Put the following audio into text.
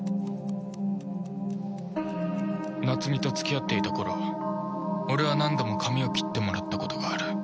夏美と付き合っていた頃俺は何度も髪を切ってもらったことがある